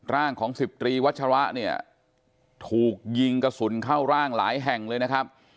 ร่างของ๑๐ตรีวัชระเนี่ยถูกยิงกระสุนเข้าร่างหลายแห่งเลยนะครับ